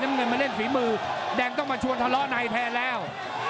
เงินมาเล่นฝีมือแดงต้องมาชวนทะเลาะในแทนแล้ว